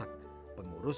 pengurus dan para masyarakat